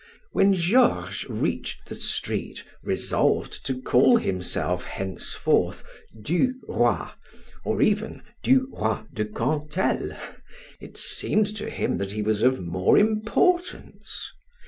When Georges reached the street resolved to call himself, henceforth, "Du Roy," or even "Du Roy de Cantel," it seemed to him that he was of more importance.